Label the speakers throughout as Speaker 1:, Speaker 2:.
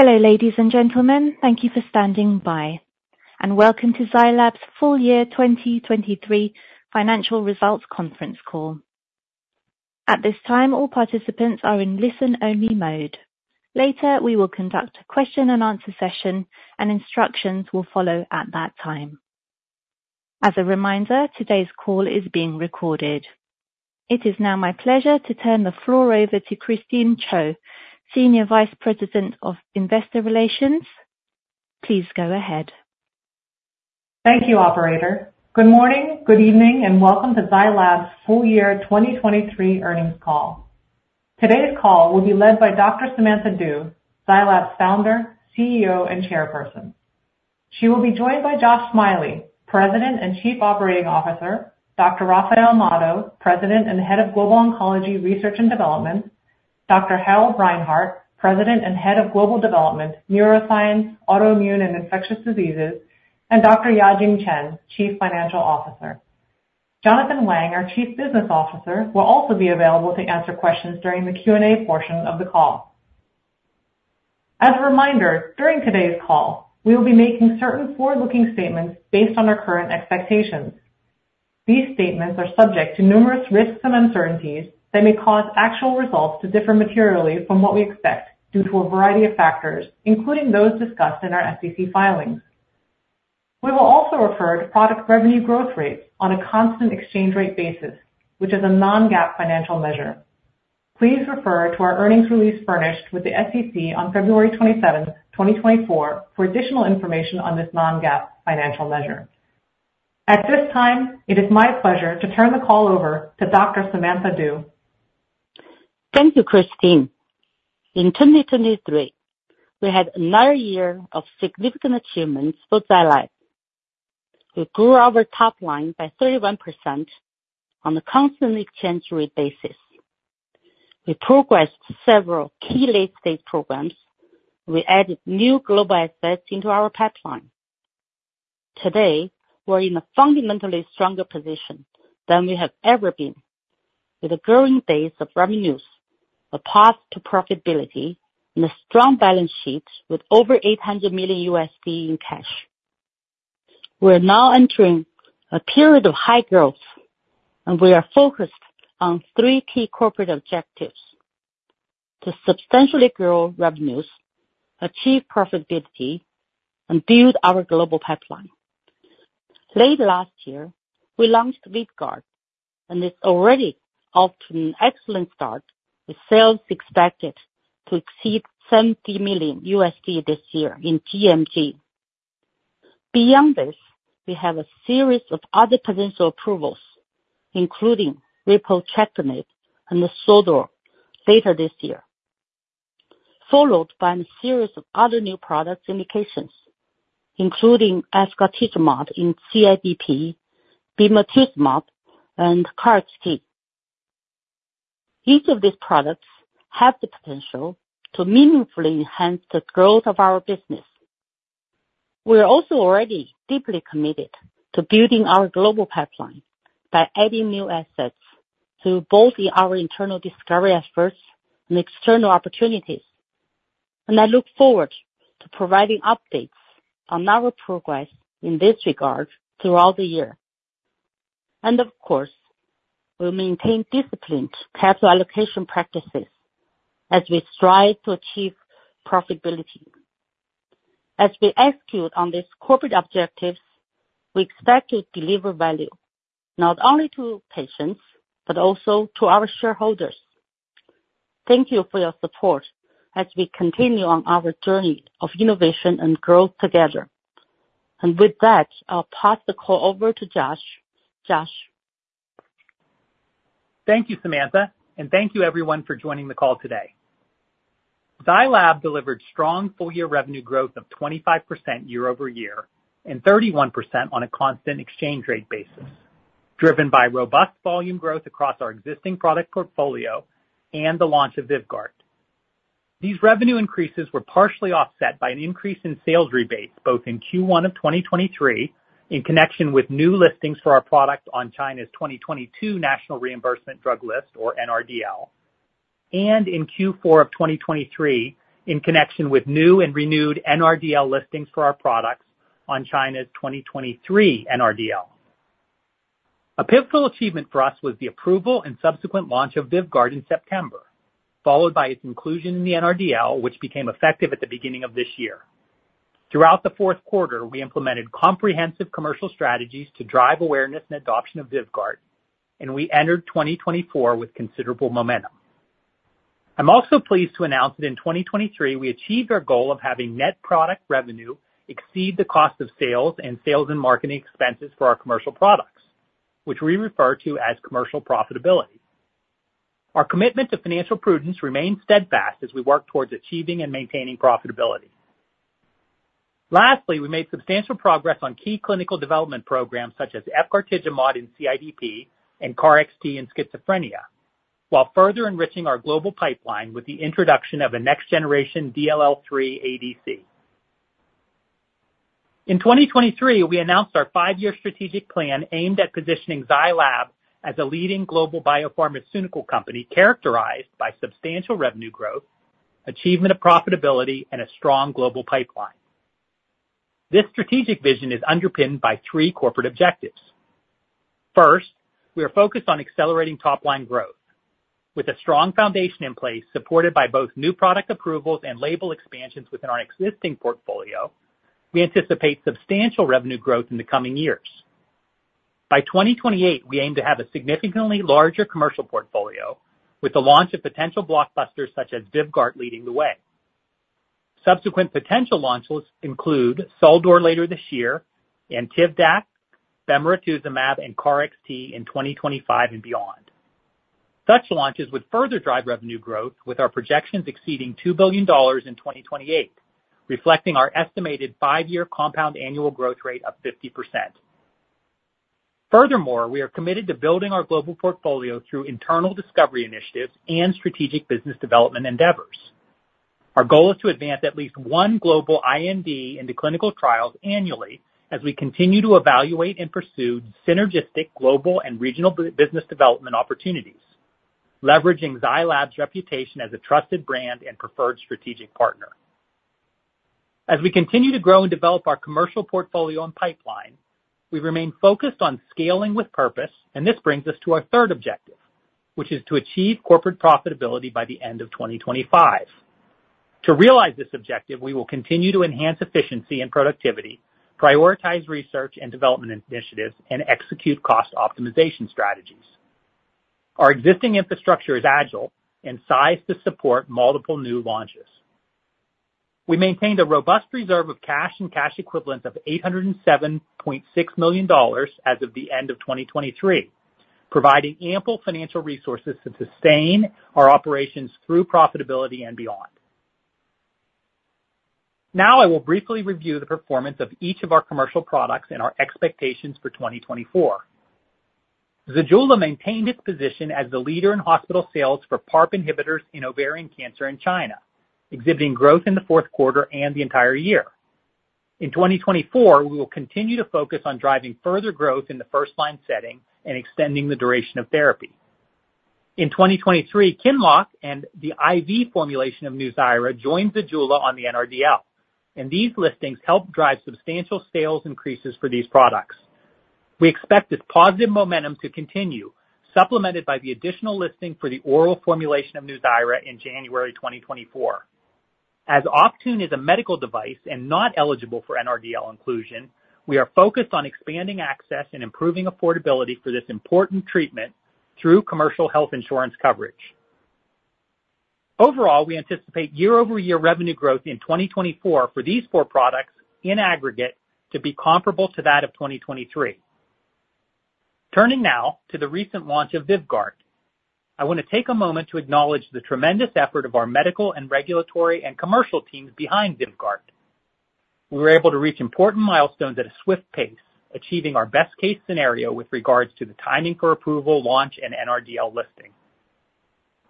Speaker 1: Hello ladies and gentlemen, thank you for standing by, and welcome to Zai Lab's full-year 2023 financial results conference call. At this time, all participants are in listen-only mode. Later, we will conduct a question-and-answer session, and instructions will follow at that time. As a reminder, today's call is being recorded. It is now my pleasure to turn the floor over to Christine Chiou, Senior Vice President of Investor Relations. Please go ahead.
Speaker 2: Thank you, Operator. Good morning, good evening, and welcome to Zai Lab's full-year 2023 earnings call. Today's call will be led by Dr. Samantha Du, Zai Lab's founder, Chief Executive Officer, and chairperson. She will be joined by Josh Smiley, President and Chief Operating Officer; Dr. Rafael Amado, President and Head of Global Oncology Research and Development; Dr. Harald Reinhart, President and Head of Global Development, Neuroscience, Autoimmune, and Infectious Diseases; and Dr. Yajing Chen, Chief Financial Officer. Jonathan Wang, our Chief Business Officer, will also be available to answer questions during the Q&A portion of the call. As a reminder, during today's call, we will be making certain forward-looking statements based on our current expectations. These statements are subject to numerous risks and uncertainties that may cause actual results to differ materially from what we expect due to a variety of factors, including those discussed in our SEC filings. We will also refer to product revenue growth rates on a constant exchange rate basis, which is a non-GAAP financial measure. Please refer to our earnings release furnished with the SEC on February 27, 2024, for additional information on this non-GAAP financial measure. At this time, it is my pleasure to turn the call over to Dr. Samantha Du.
Speaker 3: Thank you, Christine. In 2023, we had another year of significant achievements for Zai Lab. We grew our top line by 31% on a constant exchange rate basis. We progressed several key late-stage programs, and we added new global assets into our pipeline. Today, we're in a fundamentally stronger position than we have ever been, with a growing base of revenues, a path to profitability, and a strong balance sheet with over $800 million in cash. We are now entering a period of high growth, and we are focused on three key corporate objectives: to substantially grow revenues, achieve profitability, and build our global pipeline. Late last year, we launched VYVGART, and it's already off to an excellent start with sales expected to exceed $70 million this year in gMG. Beyond this, we have a series of other potential approvals, including repotrectinib and the SUL-DUR, later this year, followed by a series of other new product indications, including efgartigimod in CIDP, bemarituzumab, and KarXT. Each of these products has the potential to meaningfully enhance the growth of our business. We are also already deeply committed to building our global pipeline by adding new assets both in our internal discovery efforts and external opportunities, and I look forward to providing updates on our progress in this regard throughout the year. Of course, we'll maintain disciplined capital allocation practices as we strive to achieve profitability. As we execute on these corporate objectives, we expect to deliver value not only to patients but also to our shareholders. Thank you for your support as we continue on our journey of innovation and growth together. With that, I'll pass the call over to Josh. Josh.
Speaker 4: Thank you, Samantha, and thank you everyone for joining the call today. Zai Lab delivered strong full-year revenue growth of 25% year-over-year and 31% on a constant exchange rate basis, driven by robust volume growth across our existing product portfolio and the launch of VYVGART. These revenue increases were partially offset by an increase in sales rebates both in Q1 of 2023 in connection with new listings for our product on China's 2022 National Reimbursement Drug List, or NRDL, and in Q4 of 2023 in connection with new and renewed NRDL listings for our products on China's 2023 NRDL. A pivotal achievement for us was the approval and subsequent launch of VYVGART in September, followed by its inclusion in the NRDL, which became effective at the beginning of this year. Throughout the fourth quarter, we implemented comprehensive commercial strategies to drive awareness and adoption of VYVGART, and we entered 2024 with considerable momentum. I'm also pleased to announce that in 2023, we achieved our goal of having net product revenue exceed the cost of sales and sales and marketing expenses for our commercial products, which we refer to as commercial profitability. Our commitment to financial prudence remains steadfast as we work towards achieving and maintaining profitability. Lastly, we made substantial progress on key clinical development programs such as SC efgartigimod in CIDP and KarXT in schizophrenia, while further enriching our global pipeline with the introduction of a next-generation DLL3 ADC. In 2023, we announced our five-year strategic plan aimed at positioning Zai Lab as a leading global biopharmaceutical company characterized by substantial revenue growth, achievement of profitability, and a strong global pipeline. This strategic vision is underpinned by three corporate objectives. First, we are focused on accelerating top-line growth. With a strong foundation in place supported by both new product approvals and label expansions within our existing portfolio, we anticipate substantial revenue growth in the coming years. By 2028, we aim to have a significantly larger commercial portfolio, with the launch of potential blockbusters such as VYVGART leading the way. Subsequent potential launches include SUL-DUR later this year, Tivdak, Bemarituzumab, and KarXT in 2025 and beyond. Such launches would further drive revenue growth, with our projections exceeding $2 billion in 2028, reflecting our estimated five-year compound annual growth rate of 50%. Furthermore, we are committed to building our global portfolio through internal discovery initiatives and strategic business development endeavors. Our goal is to advance at least one global IND into clinical trials annually as we continue to evaluate and pursue synergistic global and regional business development opportunities, leveraging Zai Lab's reputation as a trusted brand and preferred strategic partner. As we continue to grow and develop our commercial portfolio and pipeline, we remain focused on scaling with purpose, and this brings us to our third objective, which is to achieve corporate profitability by the end of 2025. To realize this objective, we will continue to enhance efficiency and productivity, prioritize research and development initiatives, and execute cost optimization strategies. Our existing infrastructure is agile and sized to support multiple new launches. We maintained a robust reserve of cash and cash equivalents of $807.6 million as of the end of 2023, providing ample financial resources to sustain our operations through profitability and beyond. Now I will briefly review the performance of each of our commercial products and our expectations for 2024. ZEJULA maintained its position as the leader in hospital sales for PARP inhibitors in ovarian cancer in China, exhibiting growth in the fourth quarter and the entire year. In 2024, we will continue to focus on driving further growth in the first-line setting and extending the duration of therapy. In 2023, QINLOCK and the IV formulation of NUZYRA joined ZEJULA on the NRDL, and these listings helped drive substantial sales increases for these products. We expect this positive momentum to continue, supplemented by the additional listing for the oral formulation of NUZYRA in January 2024. As Optune is a medical device and not eligible for NRDL inclusion, we are focused on expanding access and improving affordability for this important treatment through commercial health insurance coverage. Overall, we anticipate year-over-year revenue growth in 2024 for these four products, in aggregate, to be comparable to that of 2023. Turning now to the recent launch of VYVGART, I want to take a moment to acknowledge the tremendous effort of our medical, regulatory, and commercial teams behind VYVGART. We were able to reach important milestones at a swift pace, achieving our best-case scenario with regards to the timing for approval, launch, and NRDL listing.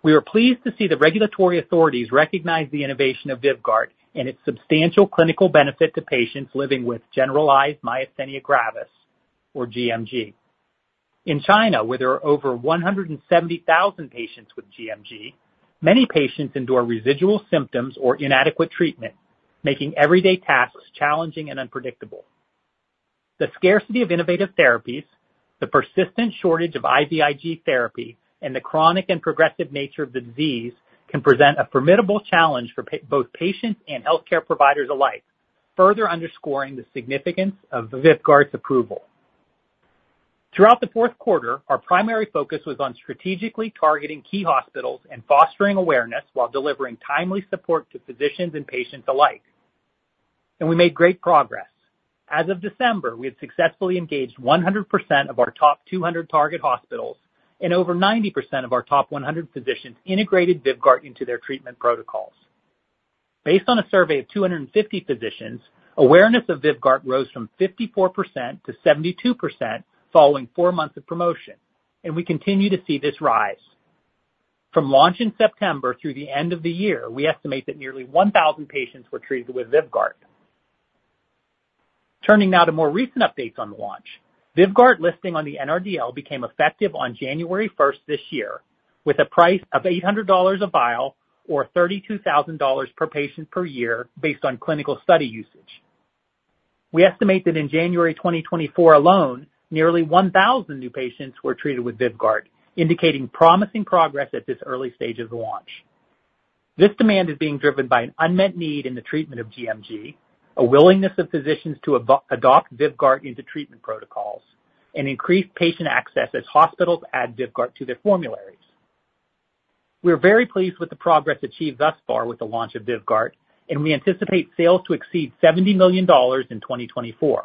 Speaker 4: We are pleased to see the regulatory authorities recognize the innovation of VYVGART and its substantial clinical benefit to patients living with generalized myasthenia gravis, or gMG. In China, where there are over 170,000 patients with gMG, many patients endure residual symptoms or inadequate treatment, making everyday tasks challenging and unpredictable. The scarcity of innovative therapies, the persistent shortage of IVIG therapy, and the chronic and progressive nature of the disease can present a formidable challenge for both patients and healthcare providers alike, further underscoring the significance of VYVGART's approval. Throughout the fourth quarter, our primary focus was on strategically targeting key hospitals and fostering awareness while delivering timely support to physicians and patients alike. We made great progress. As of December, we had successfully engaged 100% of our top 200 target hospitals, and over 90% of our top 100 physicians integrated VYVGART into their treatment protocols. Based on a survey of 250 physicians, awareness of VYVGART rose from 54% - 72% following four months of promotion, and we continue to see this rise. From launch in September through the end of the year, we estimate that nearly 1,000 patients were treated with VYVGART. Turning now to more recent updates on the launch, VYVGART listing on the NRDL became effective on January 1 this year, with a price of $800 a vial, or $32,000 per patient per year based on clinical study usage. We estimate that in January 2024 alone, nearly 1,000 new patients were treated with VYVGART, indicating promising progress at this early stage of the launch. This demand is being driven by an unmet need in the treatment of gMG, a willingness of physicians to adopt VYVGART into treatment protocols, and increased patient access as hospitals add VYVGART to their formularies. We are very pleased with the progress achieved thus far with the launch of VYVGART, and we anticipate sales to exceed $70 million in 2024.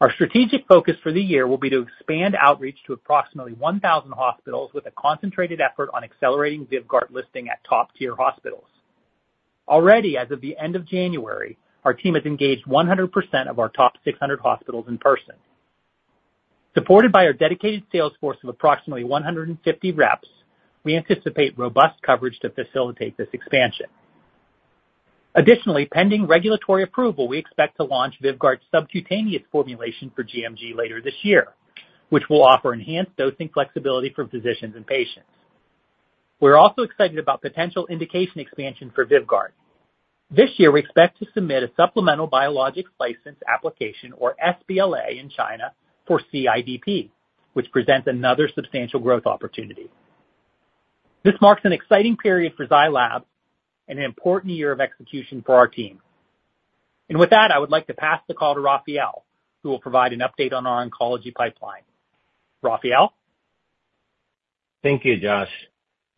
Speaker 4: Our strategic focus for the year will be to expand outreach to approximately 1,000 hospitals with a concentrated effort on accelerating VYVGART listing at top-tier hospitals. Already, as of the end of January, our team has engaged 100% of our top 600 hospitals in person. Supported by our dedicated sales force of approximately 150 reps, we anticipate robust coverage to facilitate this expansion. Additionally, pending regulatory approval, we expect to launch VYVGART's subcutaneous formulation for gMG later this year, which will offer enhanced dosing flexibility for physicians and patients. We're also excited about potential indication expansion for VYVGART. This year, we expect to submit a supplemental biologics license application, or sBLA, in China for CIDP, which presents another substantial growth opportunity. This marks an exciting period for Zai Lab and an important year of execution for our team. And with that, I would like to pass the call to Rafael, who will provide an update on our oncology pipeline. Rafael?
Speaker 5: Thank you, Josh.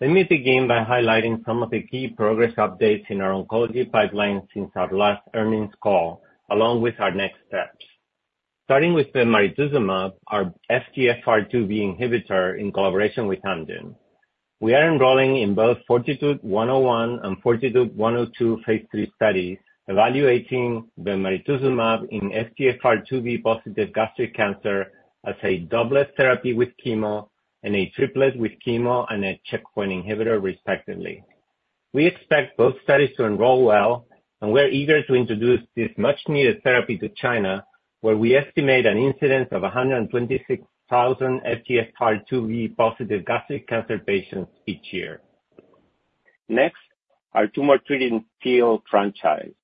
Speaker 5: Let me begin by highlighting some of the key progress updates in our oncology pipeline since our last earnings call, along with our next steps. Starting with bemarituzumab, our FGFR2b inhibitor in collaboration with Amgen. We are enrolling in both FORTITUDE-101 and FORTITUDE-102 phase III studies, evaluating bemarituzumab in FGFR2b-positive gastric cancer as a doublet therapy with chemo and a triplet with chemo and a checkpoint inhibitor, respectively. We expect both studies to enroll well, and we're eager to introduce this much-needed therapy to China, where we estimate an incidence of 126,000 FGFR2b-positive gastric cancer patients each year. Next are tumor treating field franchises.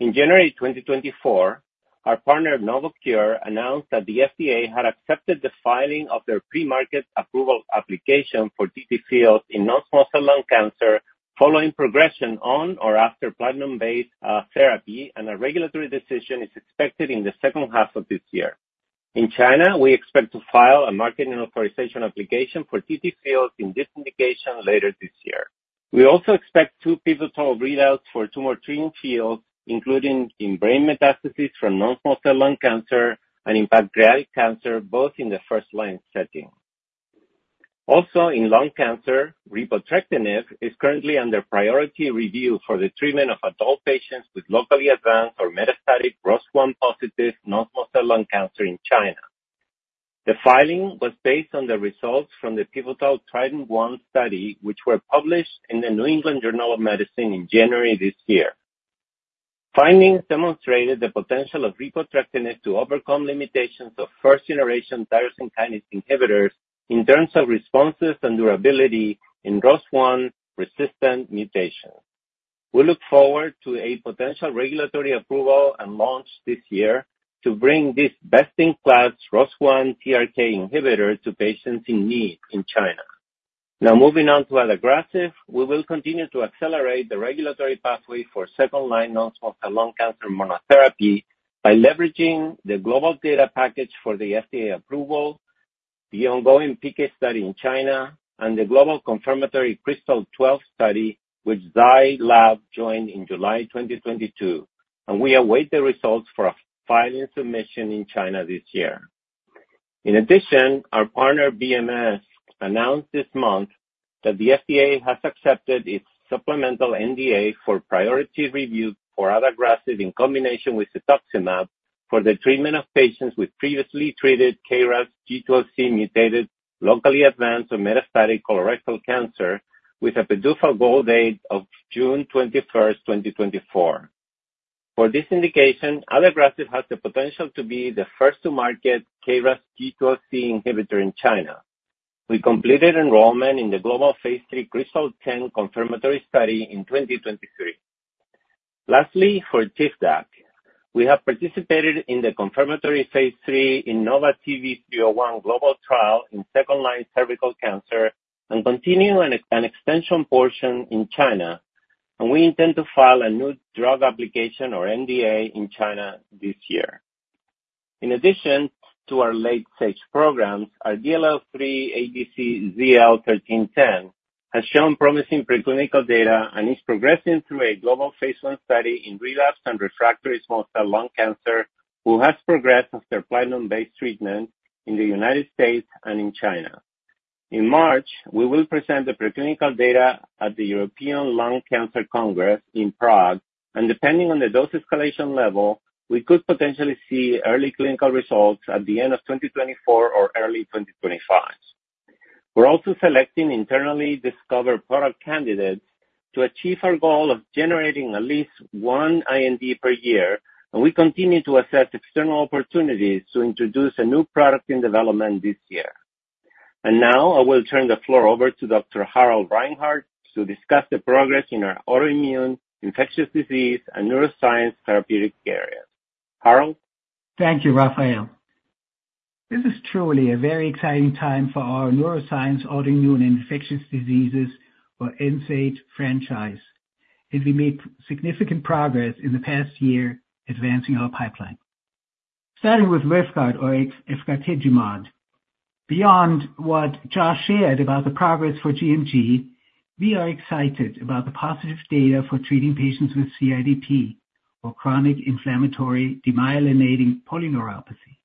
Speaker 5: In January 2024, our partner NovoCure announced that the FDA had accepted the filing of their pre-market approval application for TTFields in non-small cell lung cancer following progression on or after platinum-based therapy, and a regulatory decision is expected in the second half of this year. In China, we expect to file a marketing authorization application for TTFields in this indication later this year. We also expect two pivotal readouts for tumor treating fields, including in brain metastasis from non-small cell lung cancer and in pancreatic cancer, both in the first-line setting. Also, in lung cancer, repotrectinib is currently under priority review for the treatment of adult patients with locally advanced or metastatic ROS1-positive non-small cell lung cancer in China. The filing was based on the results from the pivotal TRIDENT-1 study, which were published in the New England Journal of Medicine in January this year. Findings demonstrated the potential of repotrectinib to overcome limitations of first-generation tyrosine kinase inhibitors in terms of responses and durability in ROS1-resistant mutations. We look forward to a potential regulatory approval and launch this year to bring this best-in-class ROS1-TRK inhibitor to patients in need in China. Now, moving on to adagrasib, we will continue to accelerate the regulatory pathway for second-line non-small cell lung cancer monotherapy by leveraging the global data package for the FDA approval, the ongoing PK study in China, and the global confirmatory KRYSTAL-12 study, which Zai Lab joined in July 2022. We await the results for filing submission in China this year. In addition, our partner BMS announced this month that the FDA has accepted its supplemental NDA for priority review for adagrasib in combination with cetuximab for the treatment of patients with previously treated KRAS G12C mutated, locally advanced, or metastatic colorectal cancer, with a PDUFA goal date of June 21, 2024. For this indication, adagrasib has the potential to be the first-to-market KRAS G12C inhibitor in China. We completed enrollment in the global phase III KRYSTAL-10 confirmatory study in 2023. Lastly, for Tivdak, we have participated in the confirmatory phase III INNOVATV-301 global trial in second-line cervical cancer and continue an extension portion in China, and we intend to file a new drug application, or NDA, in China this year. In addition to our late-stage programs, our DLL3 ADC ZL-1310 has shown promising preclinical data and is progressing through a global phase I study in relapsed and refractory small cell lung cancer who has progressed after platinum-based treatment in the United States and in China. In March, we will present the preclinical data at the European Lung Cancer Congress in Prague, and depending on the dose escalation level, we could potentially see early clinical results at the end of 2024 or early 2025. We're also selecting internally discovered product candidates to achieve our goal of generating at least one IND per year, and we continue to assess external opportunities to introduce a new product in development this year. And now I will turn the floor over to Dr. Harald Reinhart to discuss the progress in our autoimmune infectious disease and neuroscience therapeutic areas. Harald?
Speaker 6: Thank you, Rafael. This is truly a very exciting time for our neuroscience, autoimmune, and infectious diseases, or NSAID franchise, as we made significant progress in the past year advancing our pipeline. Starting with VYVGART, or efgartigimod, beyond what Josh shared about the progress for gMG, we are excited about the positive data for treating patients with CIDP, or chronic inflammatory demyelinating polyneuropathy.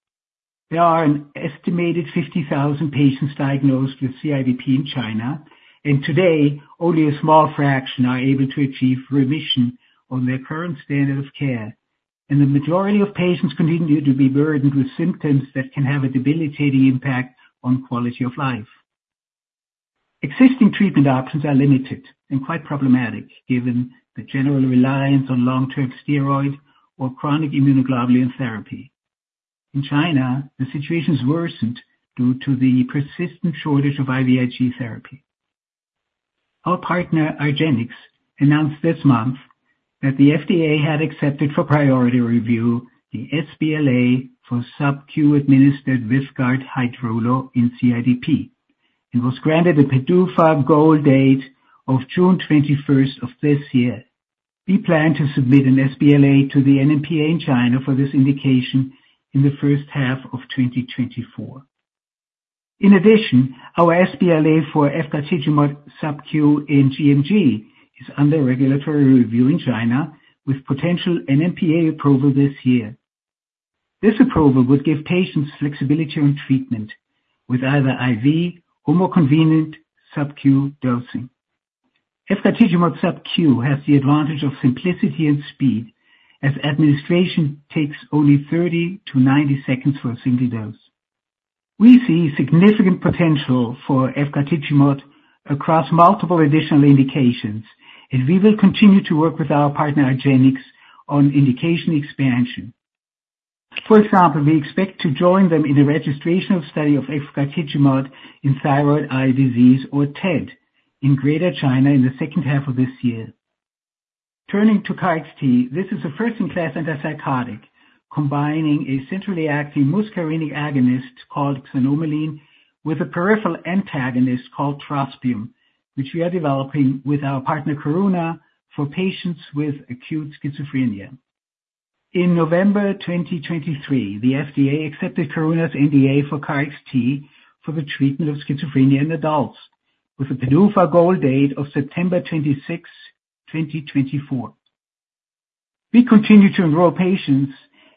Speaker 6: There are an estimated 50,000 patients diagnosed with CIDP in China, and today, only a small fraction are able to achieve remission on their current standard of care, and the majority of patients continue to be burdened with symptoms that can have a debilitating impact on quality of life. Existing treatment options are limited and quite problematic given the general reliance on long-term steroid or chronic immunoglobulin therapy. In China, the situation has worsened due to the persistent shortage of IVIG therapy. Our partner argenx announced this month that the FDA had accepted for priority review the sBLA for sub-Q-administered VYVGART Hytrulo in CIDP and was granted a PDUFA goal date of June 21 of this year. We plan to submit an sBLA to the NMPA in China for this indication in the first half of 2024. In addition, our sBLA for efgartigimod sub-Q in gMG is under regulatory review in China with potential NMPA approval this year. This approval would give patients flexibility on treatment with either IV or more convenient sub-Q dosing. Efgartigimod sub-Q has the advantage of simplicity and speed, as administration takes only 30-90 seconds for a single dose. We see significant potential for efgartigimod across multiple additional indications, and we will continue to work with our partner argenx on indication expansion. For example, we expect to join them in the registration of study of efgartigimod in thyroid eye disease, or TED, in Greater China in the second half of this year. Turning to KarXT, this is a first-in-class antipsychotic combining a centrally acting muscarinic agonist called xanomeline with a peripheral antagonist called trospium, which we are developing with our partner Karuna for patients with acute schizophrenia. In November 2023, the FDA accepted Coruna's NDA for KarXT for the treatment of schizophrenia in adults, with a PDUFA goal date of September 26, 2024. We continue to enroll patients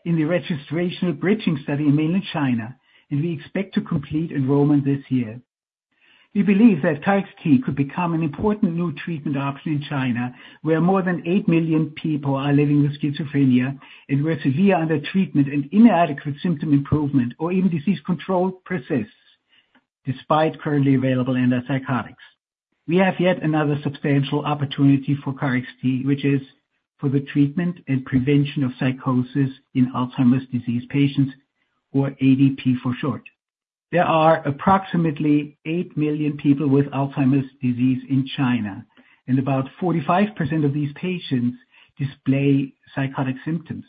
Speaker 6: in the registration bridging study in mainland China, and we expect to complete enrollment this year. We believe that KarXT could become an important new treatment option in China where more than eight million people are living with schizophrenia and where severe under-treatment and inadequate symptom improvement or even disease control persists despite currently available antipsychotics. We have yet another substantial opportunity for KarXT, which is for the treatment and prevention of psychosis in Alzheimer's disease patients, or ADP for short. There are approximately eight million people with Alzheimer's disease in China, and about 45% of these patients display psychotic symptoms.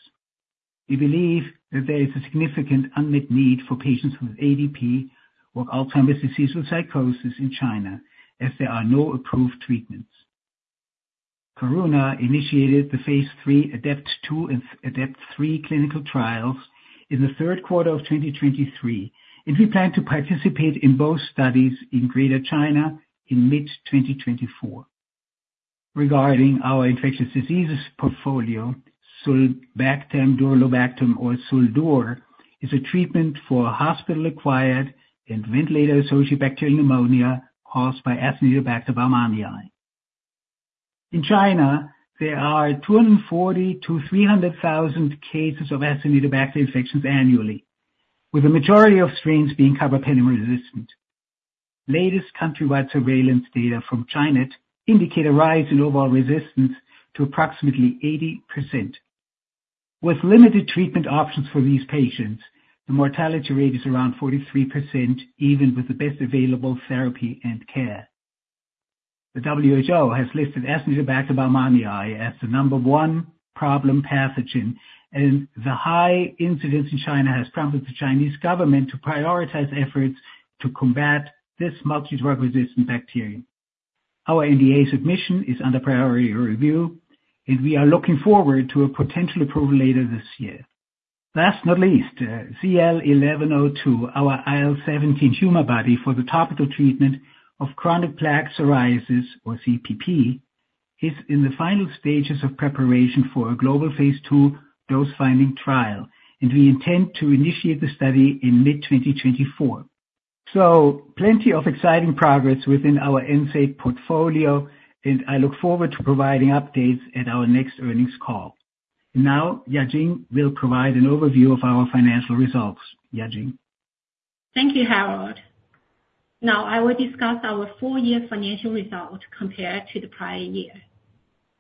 Speaker 6: We believe that there is a significant unmet need for patients with ADP or Alzheimer's disease with psychosis in China, as there are no approved treatments. Karuna initiated the phase III ADEPT-2 and ADEPT-3 clinical trials in the third quarter of 2023, and we plan to participate in both studies in Greater China in mid-2024. Regarding our infectious diseases portfolio, sulbactam-durlobactam, or SUL-DUR, is a treatment for hospital-acquired and ventilator-associated bacterial pneumonia caused by Acinetobacter baumannii. In China, there are 240,000-300,000 cases of Acinetobacter infections annually, with the majority of strains being carbapenem-resistant. Latest countrywide surveillance data from CHINET indicate a rise in overall resistance to approximately 80%. With limited treatment options for these patients, the mortality rate is around 43% even with the best available therapy and care. The WHO has listed Acinetobacter baumannii as the number one problem pathogen, and the high incidence in China has prompted the Chinese government to prioritize efforts to combat this multidrug-resistant bacterium. Our NDA submission is under priority review, and we are looking forward to a potential approval later this year. Last but not least, ZL-1102, our IL-17 nanobody for the topical treatment of chronic plaque psoriasis, or CPP, is in the final stages of preparation for a global Phase II dose-finding trial, and we intend to initiate the study in mid-2024. Plenty of exciting progress within our NSAID portfolio, and I look forward to providing updates at our next earnings call. Now, Yajing will provide an overview of our financial results. Yajing?
Speaker 7: Thank you, Harald. Now, I will discuss our full-year financial result compared to the prior year.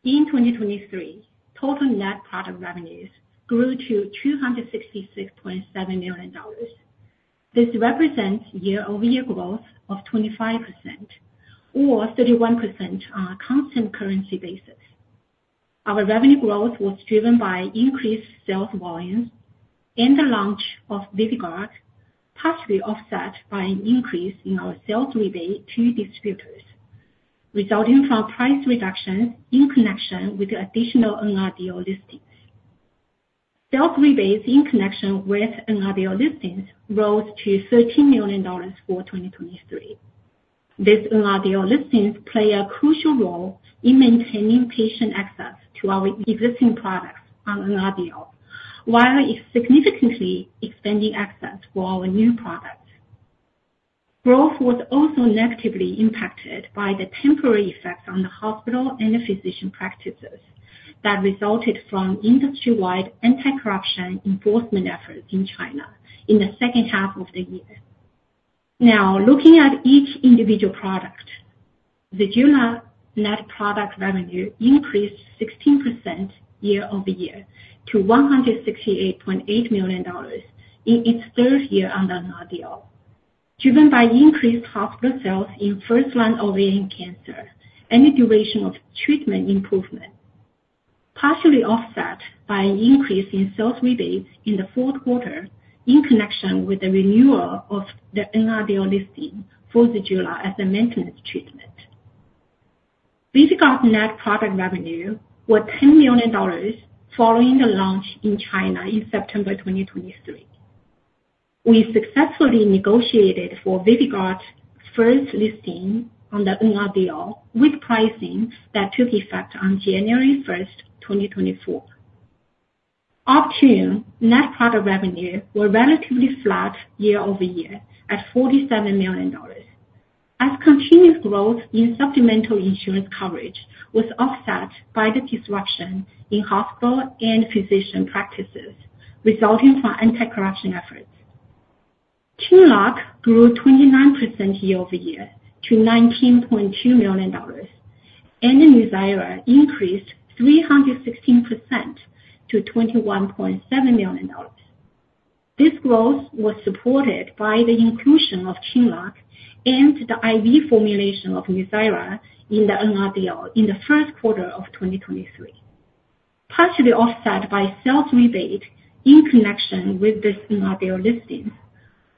Speaker 7: In 2023, total net product revenues grew to $266.7 million. This represents year-over-year growth of 25%, or 31% on a constant currency basis. Our revenue growth was driven by increased sales volumes and the launch of VYVGART, partially offset by an increase in our sales rebate to distributors, resulting from price reductions in connection with additional NRDL listings. Sales rebates in connection with NRDL listings rose to $13 million for 2023. These NRDL listings play a crucial role in maintaining patient access to our existing products on NRDL, while significantly expanding access for our new products. Growth was also negatively impacted by the temporary effects on the hospital and physician practices that resulted from industry-wide anti-corruption enforcement efforts in China in the second half of the year. Now, looking at each individual product, the ZEJULA net product revenue increased 16% year over year to $168.8 million in its third year on NRDL, driven by increased hospital sales in first-line ovarian cancer and a duration of treatment improvement, partially offset by an increase in sales rebates in the fourth quarter in connection with the renewal of the NRDL listing for the ZEJULA as a maintenance treatment. VYVGART net product revenue was $10 million following the launch in China in September 2023. We successfully negotiated for VYVGART's first listing on the NRDL with pricing that took effect on January 1, 2024. Optune net product revenue was relatively flat year over year at $47 million, as continuous growth in supplemental insurance coverage was offset by the disruption in hospital and physician practices resulting from anti-corruption efforts. QINLOCK grew 29% year over year to $19.2 million, and NUZYRA increased 316% to $21.7 million. This growth was supported by the inclusion of QINLOCK and the IV formulation of NUZYRA in the NRDL in the first quarter of 2023, partially offset by sales rebate in connection with this NRDL listing,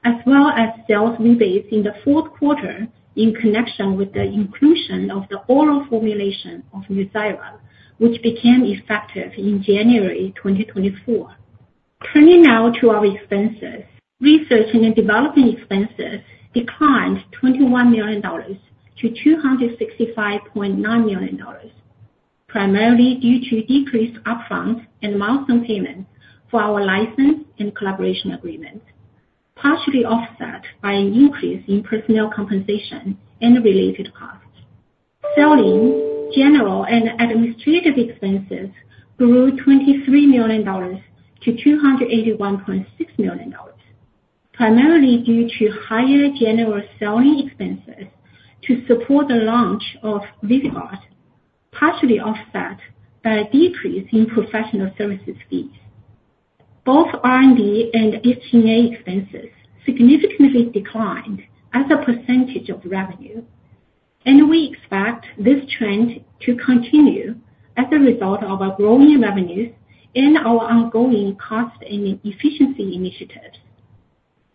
Speaker 7: as well as sales rebates in the fourth quarter in connection with the inclusion of the oral formulation of NUZYRA, which became effective in January 2024. Turning now to our expenses, research and development expenses declined $21 million to $265.9 million, primarily due to decreased upfront and milestone payments for our license and collaboration agreements, partially offset by an increase in personnel compensation and related costs. Selling, general, and administrative expenses grew $23 million to $281.6 million, primarily due to higher general selling expenses to support the launch of VYVGART, partially offset by a decrease in professional services fees. Both R&D and HT&A expenses significantly declined as a percentage of revenue, and we expect this trend to continue as a result of our growing revenues and our ongoing cost and efficiency initiatives.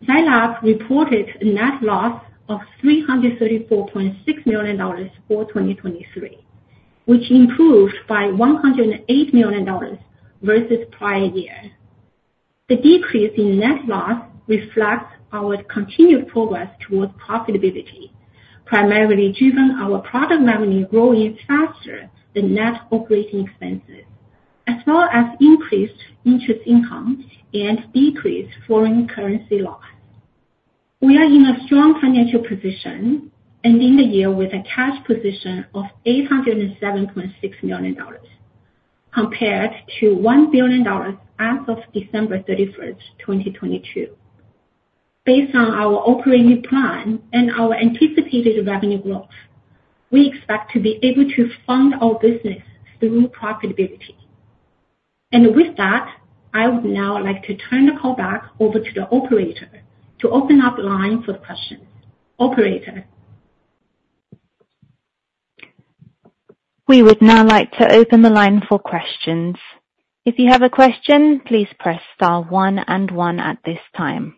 Speaker 7: Zai Lab reported a net loss of $334.6 million for 2023, which improved by $108 million versus prior year. The decrease in net loss reflects our continued progress towards profitability, primarily driven by our product revenue growing faster than net operating expenses, as well as increased interest income and decreased foreign currency loss. We are in a strong financial position ending the year with a cash position of $807.6 million compared to $1 billion as of December 31, 2022. Based on our operating plan and our anticipated revenue growth, we expect to be able to fund our business through profitability. With that, I would now like to turn the call back over to the operator to open up the line for questions. Operator?
Speaker 1: We would now like to open the line for questions. If you have a question, please press star one and one at this time.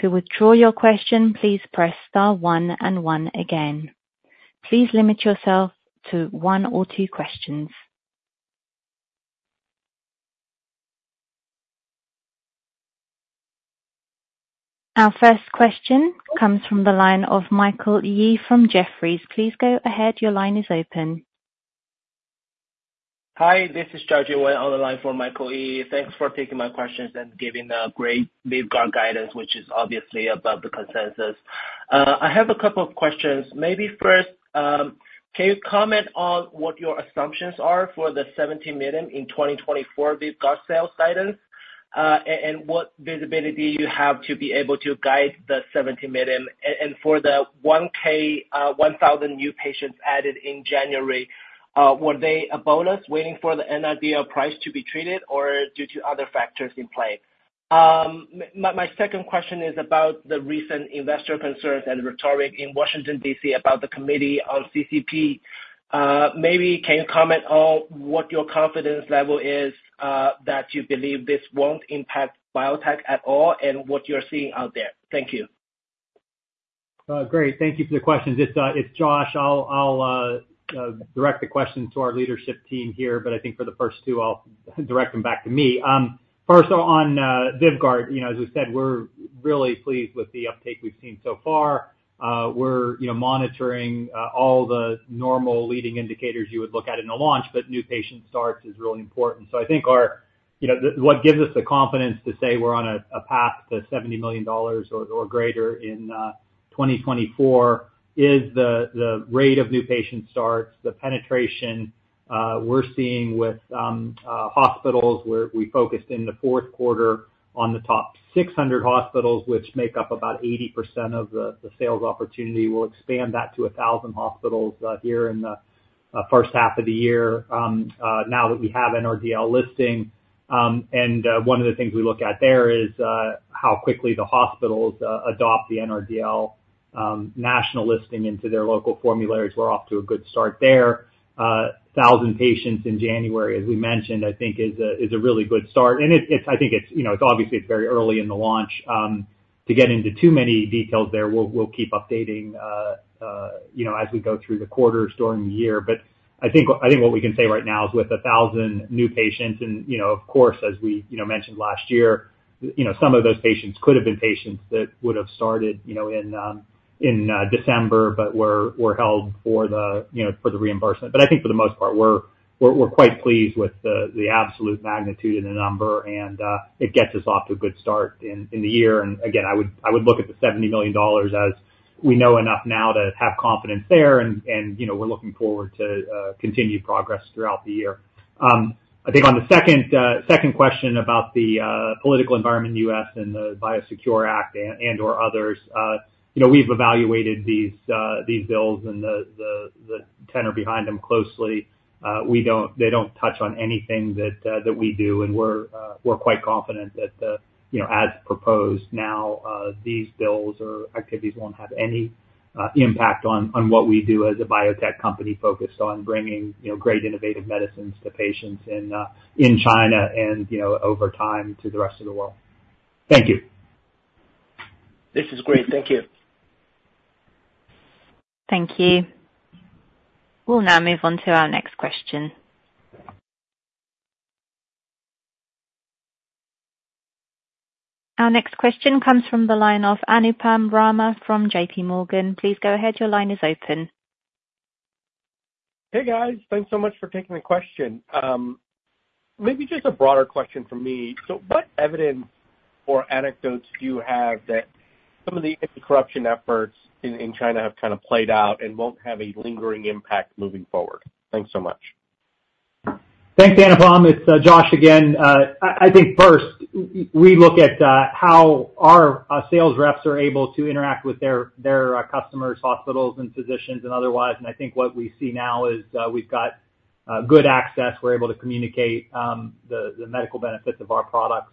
Speaker 1: To withdraw your question, please press star one and one again. Please limit yourself to one or two questions. Our first question comes from the line of Michael Yee from Jefferies. Please go ahead. Your line is open.
Speaker 8: Hi. This is Joshua on the line for Michael Yee. Thanks for taking my questions and giving great VYVGART guidance, which is obviously above the consensus. I have a couple of questions. Maybe first, can you comment on what your assumptions are for the $70 million in 2024 VYVGART sales guidance and what visibility you have to be able to guide the $70 million? And for the 1,000 new patients added in January, were they a bonus waiting for the NRDL price to be treated, or due to other factors in play? My second question is about the recent investor concerns and rhetoric in Washington, D.C., about the committee on CCP. Maybe can you comment on what your confidence level is that you believe this won't impact biotech at all and what you're seeing out there? Thank you.
Speaker 4: Great. Thank you for the questions. It's Josh. I'll direct the questions to our leadership team here, but I think for the first two, I'll direct them back to me. First, on VYVGART, as we said, we're really pleased with the uptake we've seen so far. We're monitoring all the normal leading indicators you would look at in a launch, but new patient starts is really important. So I think what gives us the confidence to say we're on a path to $70 million or greater in 2024 is the rate of new patient starts, the penetration we're seeing with hospitals. We focused in the fourth quarter on the top 600 hospitals, which make up about 80% of the sales opportunity. We'll expand that to 1,000 hospitals here in the first half of the year now that we have NRDL listing. One of the things we look at there is how quickly the hospitals adopt the NRDL national listing into their local formularies. We're off to a good start there. 1,000 patients in January, as we mentioned, I think, is a really good start. And I think it's obviously, it's very early in the launch. To get into too many details there, we'll keep updating as we go through the quarters during the year. But I think what we can say right now is with 1,000 new patients and, of course, as we mentioned last year, some of those patients could have been patients that would have started in December but were held for the reimbursement. But I think for the most part, we're quite pleased with the absolute magnitude of the number, and it gets us off to a good start in the year. Again, I would look at the $70 million as we know enough now to have confidence there, and we're looking forward to continued progress throughout the year. I think on the second question about the political environment in the U.S. and the BioSecure Act and/or others, we've evaluated these bills and the tenor behind them closely. They don't touch on anything that we do, and we're quite confident that as proposed now, these bills or activities won't have any impact on what we do as a biotech company focused on bringing great innovative medicines to patients in China and over time to the rest of the world. Thank you.
Speaker 8: This is great. Thank you.
Speaker 1: Thank you. We'll now move on to our next question. Our next question comes from the line of Anupam Rama from J.P. Morgan. Please go ahead. Your line is open.
Speaker 9: Hey, guys. Thanks so much for taking the question. Maybe just a broader question from me. So what evidence or anecdotes do you have that some of the anti-corruption efforts in China have kind of played out and won't have a lingering impact moving forward? Thanks so much.
Speaker 4: Thanks, Anupam. It's Josh again. I think first, we look at how our sales reps are able to interact with their customers, hospitals, and physicians and otherwise. And I think what we see now is we've got good access. We're able to communicate the medical benefits of our products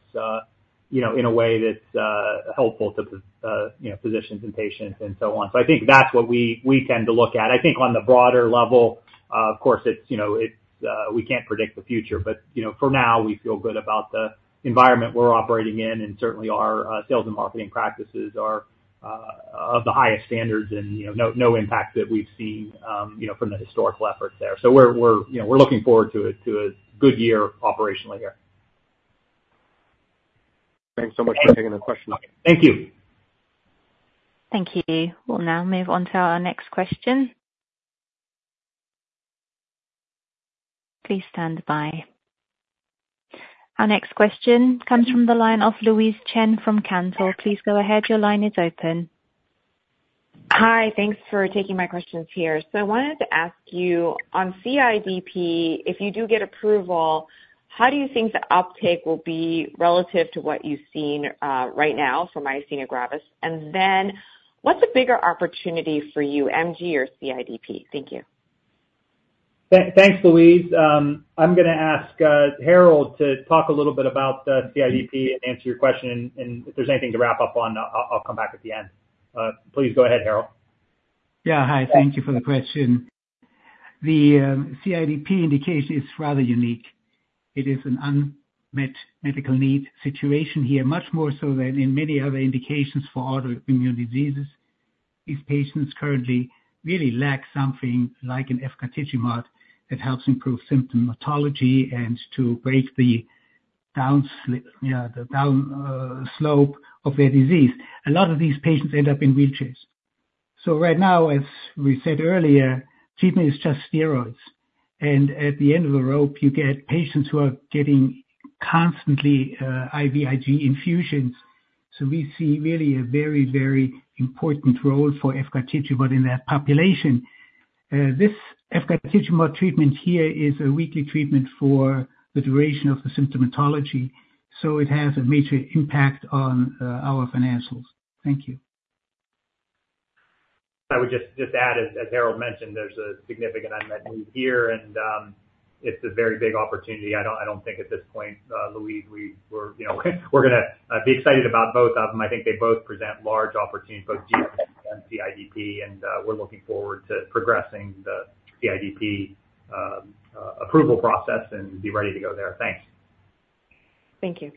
Speaker 4: in a way that's helpful to physicians and patients and so on. So I think that's what we tend to look at. I think on the broader level, of course, we can't predict the future, but for now, we feel good about the environment we're operating in, and certainly our sales and marketing practices are of the highest standards and no impact that we've seen from the historical efforts there. So we're looking forward to a good year operationally here.
Speaker 9: Thanks so much for taking the question.
Speaker 4: Thank you.
Speaker 1: Thank you. We'll now move on to our next question. Please stand by. Our next question comes from the line of Louise Chen from Cantor. Please go ahead. Your line is open.
Speaker 10: Hi. Thanks for taking my questions here. I wanted to ask you, on CIDP, if you do get approval, how do you think the uptake will be relative to what you've seen right now from Myasthenia Gravis? And then what's a bigger opportunity for you, MG or CIDP? Thank you.
Speaker 4: Thanks, Louise. I'm going to ask Harald to talk a little bit about CIDP and answer your question. If there's anything to wrap up on, I'll come back at the end. Please go ahead, Harald.
Speaker 6: Yeah. Hi. Thank you for the question. The CIDP indication is rather unique. It is an unmet medical need situation here, much more so than in many other indications for autoimmune diseases. These patients currently really lack something like an efgartigimod that helps improve symptomatology and to break the downslope of their disease. A lot of these patients end up in wheelchairs. So right now, as we said earlier, treatment is just steroids. And at the end of the rope, you get patients who are getting constantly IVIG infusions. So we see really a very, very important role for efgartigimod in that population. This efgartigimod treatment here is a weekly treatment for the duration of the symptomatology, so it has a major impact on our financials. Thank you.
Speaker 4: I would just add, as Harald mentioned, there's a significant unmet need here, and it's a very big opportunity. I don't think at this point, Louise, we're going to be excited about both of them. I think they both present large opportunities, both gMG and CIDP. We're looking forward to progressing the CIDP approval process and be ready to go there. Thanks.
Speaker 10: Thank you.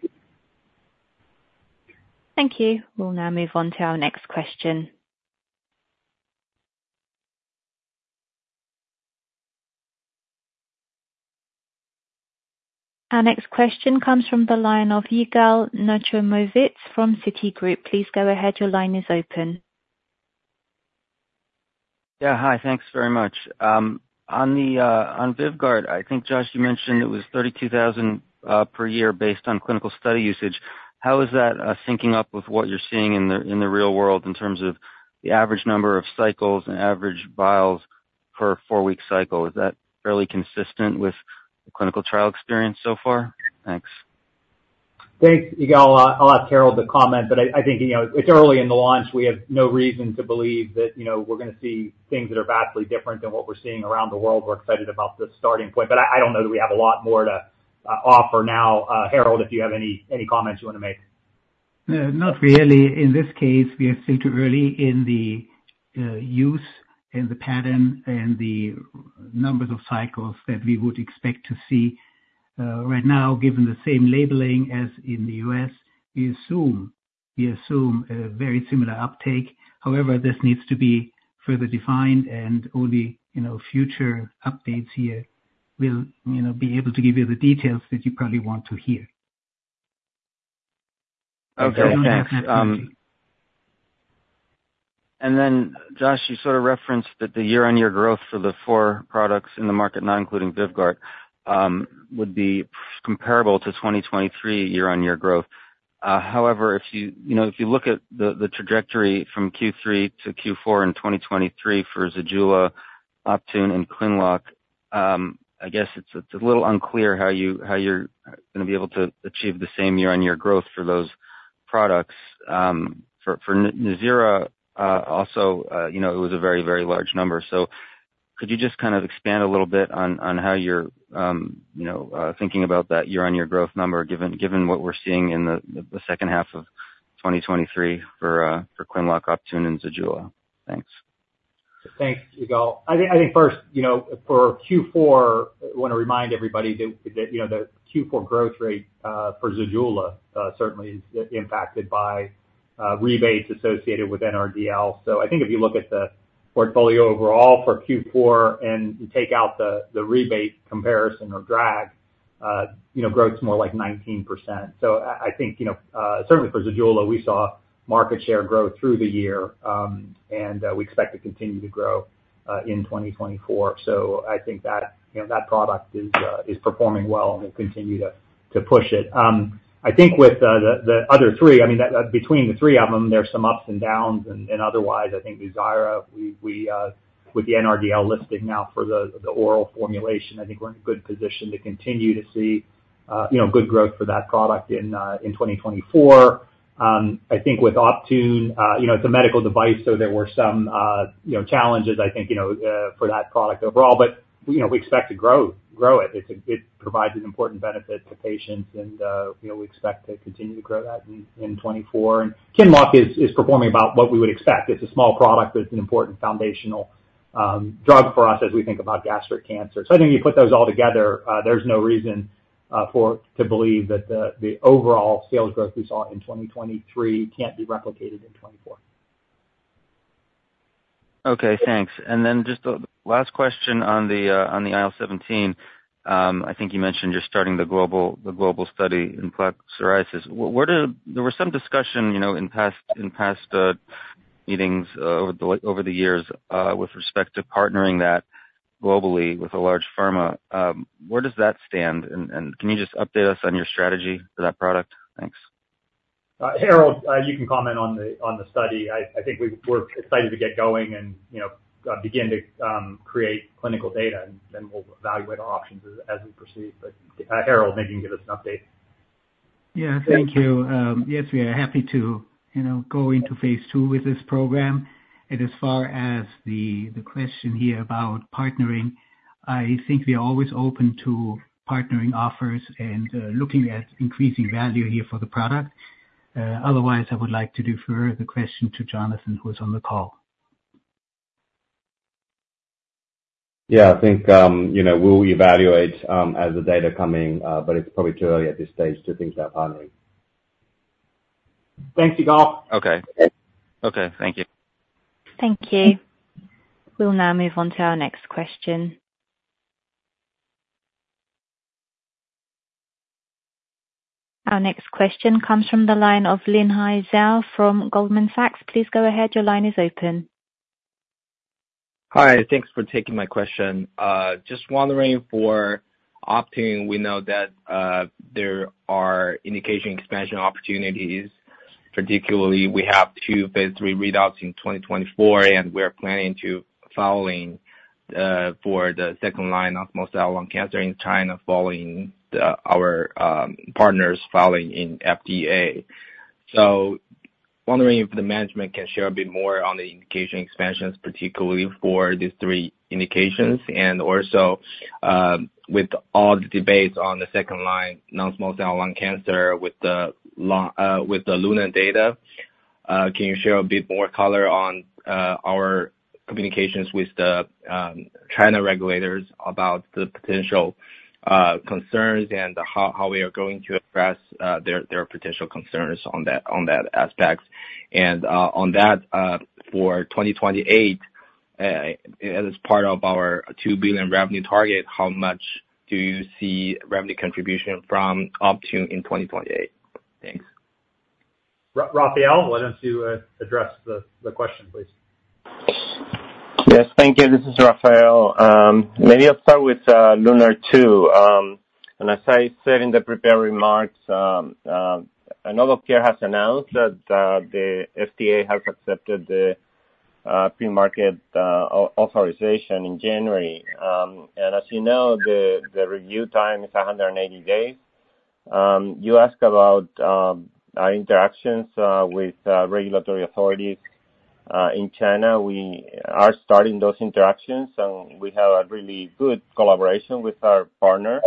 Speaker 1: Thank you. We'll now move on to our next question. Our next question comes from the line of Yigal Nochomovitz from Citigroup. Please go ahead. Your line is open.
Speaker 11: Yeah. Hi. Thanks very much. On VYVGART, I think, Josh, you mentioned it was $32,000 per year based on clinical study usage. How is that syncing up with what you're seeing in the real world in terms of the average number of cycles and average vials per four-week cycle? Is that fairly consistent with the clinical trial experience so far? Thanks.
Speaker 4: Thanks, Yigal. I'll ask Harald to comment, but I think it's early in the launch. We have no reason to believe that we're going to see things that are vastly different than what we're seeing around the world. We're excited about the starting point, but I don't know that we have a lot more to offer now. Harald, if you have any comments you want to make.
Speaker 6: Yeah. Not really. In this case, we are still too early in the use and the pattern and the numbers of cycles that we would expect to see. Right now, given the same labeling as in the U.S., we assume a very similar uptake. However, this needs to be further defined, and only future updates here will be able to give you the details that you probably want to hear.
Speaker 11: Okay. Thanks. And then, Josh, you sort of referenced that the year-on-year growth for the four products in the market, not including VYVGART, would be comparable to 2023 year-on-year growth. However, if you look at the trajectory from Q3 to Q4 in 2023 for ZEJULA, Optune, and QINLOCK, I guess it's a little unclear how you're going to be able to achieve the same year-on-year growth for those products. For NUZYRA, also, it was a very, very large number. So could you just kind of expand a little bit on how you're thinking about that year-on-year growth number given what we're seeing in the second half of 2023 for QINLOCK, Optune, and ZEJULA? Thanks.
Speaker 4: Thanks, Yigal. I think first, for Q4, I want to remind everybody that the Q4 growth rate for ZEJULA certainly is impacted by rebates associated with NRDL. So I think if you look at the portfolio overall for Q4 and you take out the rebate comparison or drag, growth's more like 19%. So I think certainly for ZEJULA, we saw market share grow through the year, and we expect to continue to grow in 2024. So I think that product is performing well, and we'll continue to push it. I think with the other three I mean, between the three of them, there's some ups and downs. And otherwise, I think NUZYRA, with the NRDL listing now for the oral formulation, I think we're in a good position to continue to see good growth for that product in 2024. I think with Optune, it's a medical device, so there were some challenges, I think, for that product overall, but we expect to grow it. It provides an important benefit to patients, and we expect to continue to grow that in 2024. QINLOCK is performing about what we would expect. It's a small product, but it's an important foundational drug for us as we think about gastric cancer. So I think when you put those all together, there's no reason to believe that the overall sales growth we saw in 2023 can't be replicated in 2024.
Speaker 11: Okay. Thanks. And then just the last question on the IL-17. I think you mentioned just starting the global study in plaque psoriasis. There was some discussion in past meetings over the years with respect to partnering that globally with a large pharma. Where does that stand? And can you just update us on your strategy for that product? Thanks.
Speaker 4: Harald, you can comment on the study. I think we're excited to get going and begin to create clinical data, and then we'll evaluate our options as we proceed. But Harald, maybe you can give us an update.
Speaker 6: Yeah. Thank you. Yes, we are happy to go into phase II with this program. And as far as the question here about partnering, I think we are always open to partnering offers and looking at increasing value here for the product. Otherwise, I would like to defer the question to Jonathan, who is on the call.
Speaker 12: Yeah. I think we'll evaluate as the data coming, but it's probably too early at this stage to think about partnering.
Speaker 4: Thanks, Yigal.
Speaker 11: Okay. Okay. Thank you.
Speaker 1: Thank you. We'll now move on to our next question. Our next question comes from the line of Linhai Zhao from Goldman Sachs. Please go ahead. Your line is open.
Speaker 13: Hi. Thanks for taking my question. Just wondering for Optune, we know that there are indication expansion opportunities. Particularly, we have II phase III readouts in 2024, and we are planning to follow for the second line of non-small cell lung cancer in China following our partners following in FDA. So wondering if the management can share a bit more on the indication expansions, particularly for these three indications. And also with all the debates on the second line non-small cell lung cancer with the LUNAR data, can you share a bit more color on our communications with the China regulators about the potential concerns and how we are going to address their potential concerns on that aspect? And on that, for 2028, as part of our $2 billion revenue target, how much do you see revenue contribution from Optune in 2028? Thanks.
Speaker 4: Rafael, why don't you address the question, please?
Speaker 5: Yes. Thank you. This is Rafael. Maybe I'll start with Lunar Two. And as I said in the prepared remarks, NovoCure has announced that the FDA has accepted the pre-market authorization in January. And as you know, the review time is 180 days. You asked about our interactions with regulatory authorities in China. We are starting those interactions, and we have a really good collaboration with our partner.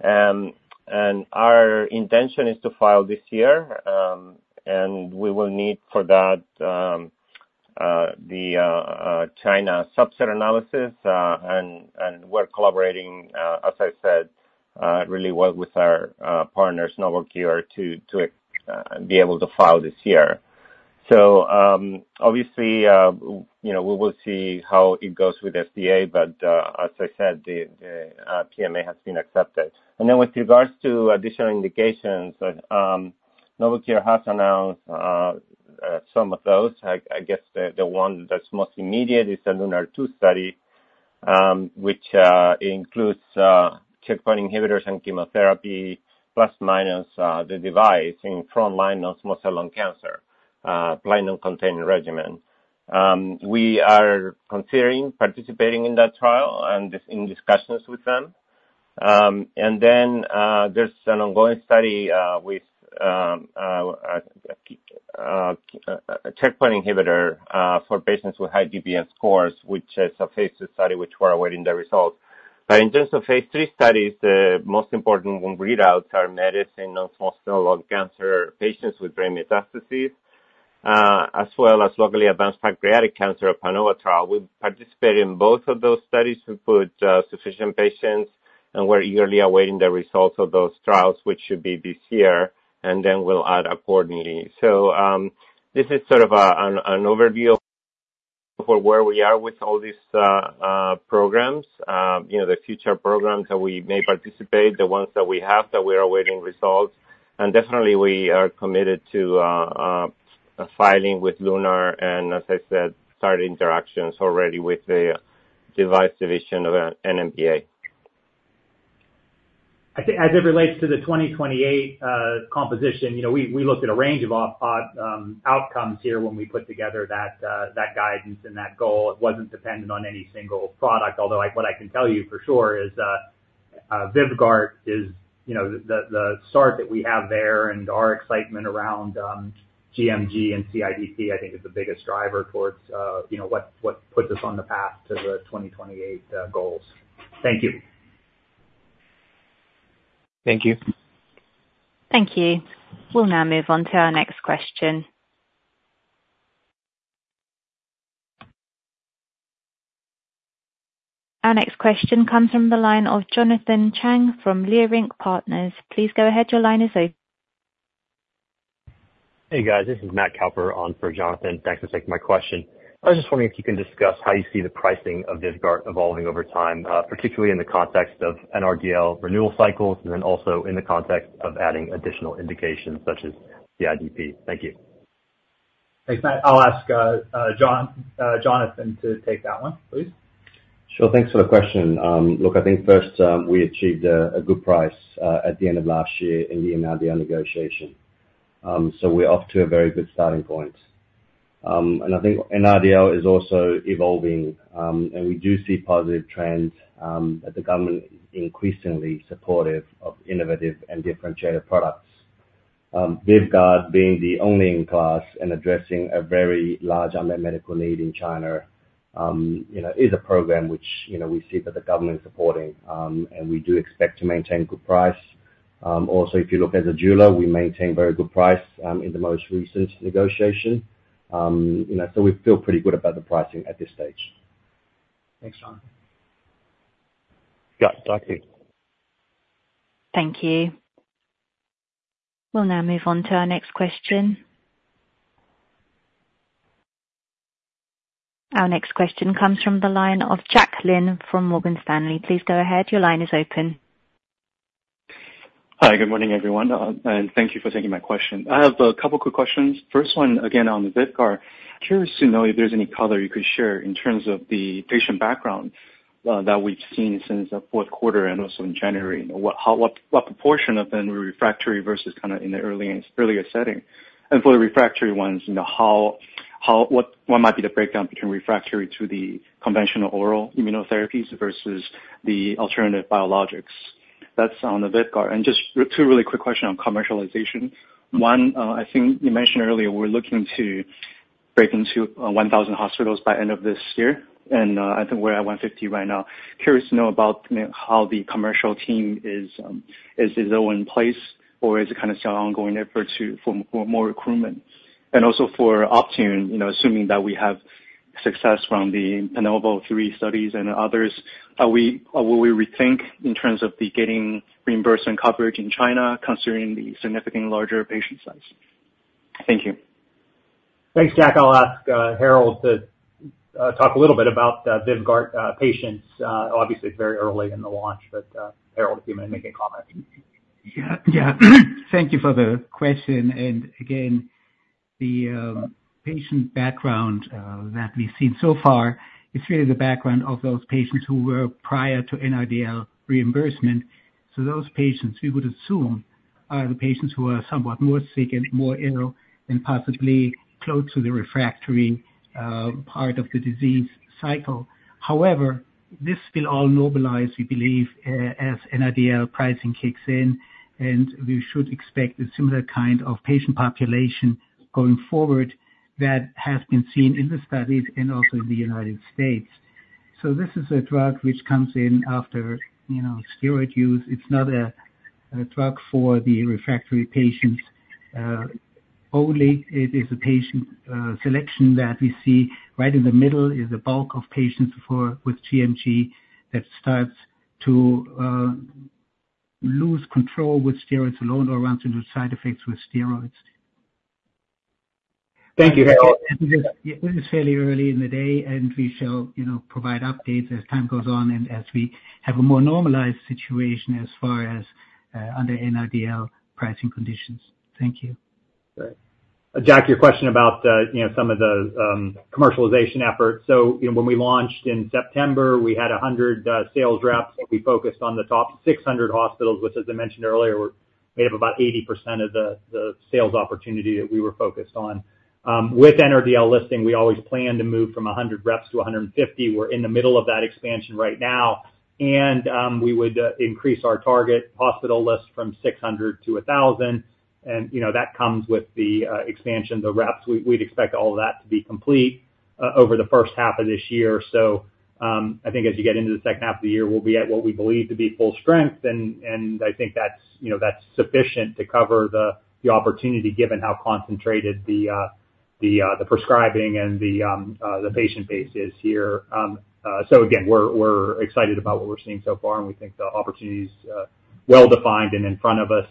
Speaker 5: And our intention is to file this year, and we will need for that the China subset analysis. And we're collaborating, as I said, really well with our partners, NovoCure, to be able to file this year. So obviously, we will see how it goes with the FDA, but as I said, the PMA has been accepted. And then with regards to additional indications, NovoCure has announced some of those. I guess the one that's most immediate is the LUNAR-2 study, which includes checkpoint inhibitors and chemotherapy plus/minus the device in frontline non-small cell lung cancer, platinum-containing regimen. We are considering participating in that trial and in discussions with them. And then there's an ongoing study with a checkpoint inhibitor for patients with high GPS scores, which is a phase II study, which we're awaiting the results. But in terms of phase III studies, the most important readouts are metastatic non-small cell lung cancer patients with brain metastases, as well as locally advanced pancreatic cancer of PANOVA trial. We participate in both of those studies. We put sufficient patients and we're eagerly awaiting the results of those trials, which should be this year. And then we'll add accordingly. This is sort of an overview of where we are with all these programs, the future programs that we may participate, the ones that we have that we're awaiting results. Definitely, we are committed to filing with NMPA and, as I said, starting interactions already with the device division of NMPA.
Speaker 4: I think as it relates to the 2028 composition, we looked at a range of outcomes here when we put together that guidance and that goal. It wasn't dependent on any single product. Although what I can tell you for sure is VYVGART is the start that we have there, and our excitement around gMG and CIDP, I think, is the biggest driver towards what puts us on the path to the 2028 goals. Thank you.
Speaker 13: Thank you.
Speaker 1: Thank you. We'll now move on to our next question. Our next question comes from the line of Jonathan Chang from Leerink Partners. Please go ahead. Your line is open.
Speaker 14: Hey, guys. This is Matt Kalper on for Jonathan. Thanks for taking my question. I was just wondering if you can discuss how you see the pricing of VYVGART evolving over time, particularly in the context of NRDL renewal cycles and then also in the context of adding additional indications such as CIDP. Thank you.
Speaker 4: Thanks, Matt. I'll ask Jonathan to take that one, please.
Speaker 12: Sure. Thanks for the question. Look, I think first, we achieved a good price at the end of last year in the NRDL negotiation. So we're off to a very good starting point. And I think NRDL is also evolving, and we do see positive trends that the government is increasingly supportive of innovative and differentiated products. VYVGART, being the only in class and addressing a very large unmet medical need in China, is a program which we see that the government is supporting, and we do expect to maintain good price. Also, if you look at ZEJULA, we maintained very good price in the most recent negotiation. So we feel pretty good about the pricing at this stage.
Speaker 14: Thanks, Jonathan.
Speaker 1: Thank you. We'll now move on to our next question. Our next question comes from the line of Jacqueline from Morgan Stanley. Please go ahead. Your line is open.
Speaker 15: Hi. Good morning, everyone. Thank you for taking my question. I have a couple of quick questions. First one, again, on the VYVGART. Curious to know if there's any color you could share in terms of the patient background that we've seen since the fourth quarter and also in January. What proportion of them were refractory versus kind of in the earlier setting? And for the refractory ones, what might be the breakdown between refractory to the conventional oral immunotherapies versus the alternative biologics? That's on the VYVGART. And just two really quick questions on commercialization. One, I think you mentioned earlier we're looking to break into 1,000 hospitals by end of this year, and I think we're at 150 right now. Curious to know about how the commercial team is it in place, or is it kind of still an ongoing effort for more recruitment? Also for Optune, assuming that we have success from the PANOVA-3 studies and others, will we rethink in terms of getting reimbursement coverage in China considering the significantly larger patient size? Thank you.
Speaker 4: Thanks, Jack. I'll ask Harald to talk a little bit about VYVGART patients. Obviously, it's very early in the launch, but Harald, if you want to make a comment.
Speaker 6: Yeah. Yeah. Thank you for the question. And again, the patient background that we've seen so far is really the background of those patients who were prior to NRDL reimbursement. So those patients, we would assume, are the patients who are somewhat more sick and more ill and possibly close to the refractory part of the disease cycle. However, this will all normalize, we believe, as NRDL pricing kicks in, and we should expect a similar kind of patient population going forward that has been seen in the studies and also in the United States. So this is a drug which comes in after steroid use. It's not a drug for the refractory patients only. It is a patient selection that we see right in the middle is a bulk of patients with gMG that starts to lose control with steroids alone or runs into side effects with steroids.
Speaker 15: Thank you, Harald.
Speaker 6: It is fairly early in the day, and we shall provide updates as time goes on and as we have a more normalized situation as far as under NRDL pricing conditions. Thank you.
Speaker 4: Great. Jack, your question about some of the commercialization efforts. So when we launched in September, we had 100 sales reps. We focused on the top 600 hospitals, which, as I mentioned earlier, made up about 80% of the sales opportunity that we were focused on. With NRDL listing, we always plan to move from 100 reps to 150. We're in the middle of that expansion right now, and we would increase our target hospital list from 600 to 1,000. And that comes with the expansion, the reps. We'd expect all of that to be complete over the first half of this year. So I think as you get into the second half of the year, we'll be at what we believe to be full strength, and I think that's sufficient to cover the opportunity given how concentrated the prescribing and the patient base is here. Again, we're excited about what we're seeing so far, and we think the opportunity is well defined and in front of us.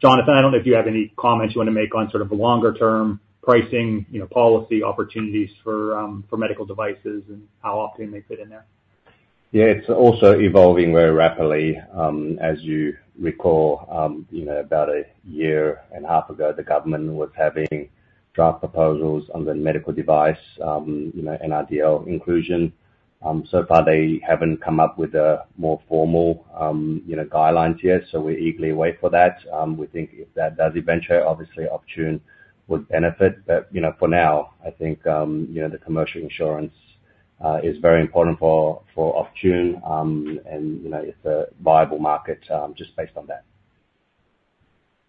Speaker 4: Jonathan, I don't know if you have any comments you want to make on sort of longer-term pricing policy opportunities for medical devices and how Optune may fit in there?
Speaker 12: Yeah. It's also evolving very rapidly. As you recall, about a year and a half ago, the government was having draft proposals on the medical device NRDL inclusion. So far, they haven't come up with a more formal guidelines yet, so we're eagerly awaiting for that. We think if that does eventually, obviously, Optune would benefit. But for now, I think the commercial insurance is very important for Optune, and it's a viable market just based on that.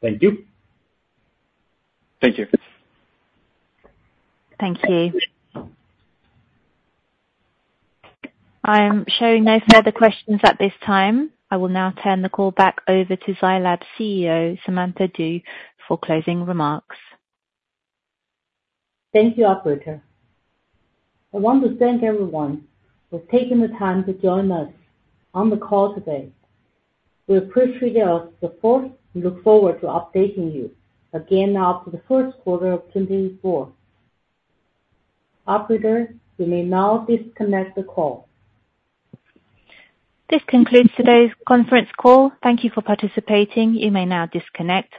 Speaker 4: Thank you.
Speaker 15: Thank you.
Speaker 1: Thank you. I'm showing no further questions at this time. I will now turn the call back over to Zai Lab Ki Chul Cho, Samantha Du, for closing remarks.
Speaker 3: Thank you, operator. I want to thank everyone for taking the time to join us on the call today. We appreciate your support and look forward to updating you again now for the first quarter of 2024. Operator, you may now disconnect the call.
Speaker 1: This concludes today's conference call. Thank you for participating. You may now disconnect.